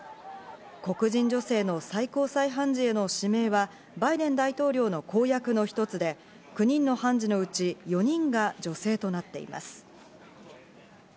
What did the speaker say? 黒人女性の最高裁判事への指名は、バイデン大統領の公約の一つで、９人の判事のうち、４人が女性となっています。